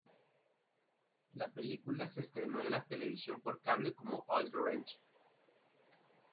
La película se estrenó en la televisión por cable como All the Rage.